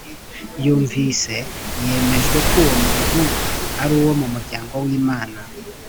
yumvise yemejwe ko uwo muntu ari uwo mu muryango w’imana